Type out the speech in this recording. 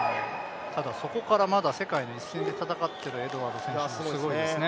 ただ、そこからまだ世界の一線で戦っているエドワードはすごいですね。